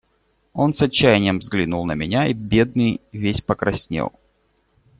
Он с отчаянием взглянул на меня и, бедный, весь покраснел.